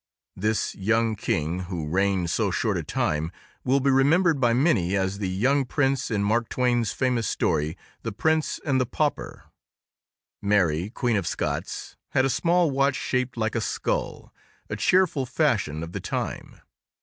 This young king, who reigned so short a time, will be remembered by many as the young prince in Mark Twain's famous story The Prince and the Pauper. Mary Queen of Scots had a small watch shaped like a skull—a cheerful fashion of the time.